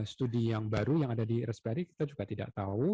studi yang baru yang ada di rspad kita juga tidak tahu